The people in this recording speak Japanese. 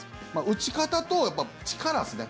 打ち方と力ですね。